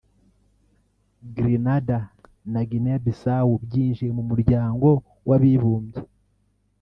Grenada na Guinea-Bissau byinjiye mu muryango w’abibumbye